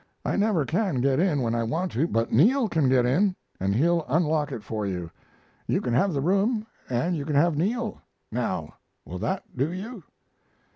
I never can get in when I want to, but Neal can get in, and he'll unlock it for you. You can have the room, and you can have Neal. Now, will that do you?"